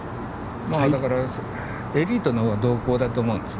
だからエリートの動向だと思うんですね。